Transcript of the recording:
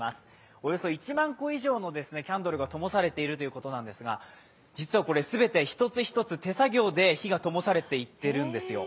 およそ１万個以上のキャンドルがともされているということなんですが、実はこれ全て一つ一つ手作業で火がともされていっているんです。